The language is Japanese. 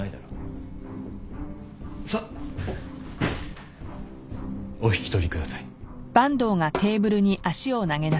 さあお引き取りください。